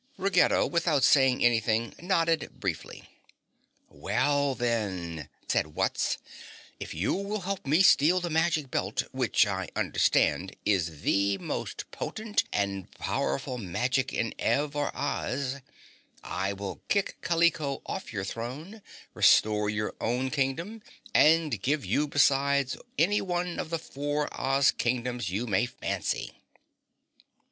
Ruggedo, without saying anything, nodded briefly. "Well then," said Wutz, "if you will help me steal the magic belt, which I understand is the most potent and powerful magic in Ev or Oz, I will kick Kaliko off your throne, restore your own Kingdom and give you besides any one of the four Oz Kingdoms you may fancy."